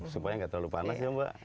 supaya nggak terlalu panas ya mbak